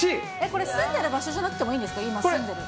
これ、住んでる場所じゃなくてもいいんですか？